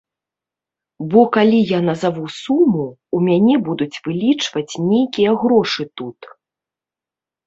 Бо калі я назаву суму, у мяне будуць вылічваць нейкія грошы тут.